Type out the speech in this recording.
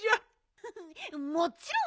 フフッもちろん！